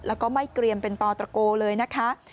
แล้วก็ไม่เกรียมเป็นตอตระโกเลยนะคะ